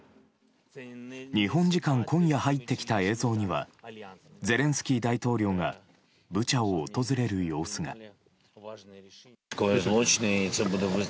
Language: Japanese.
日本時間今夜入ってきた映像にはゼレンスキー大統領がブチャを訪れる様子が。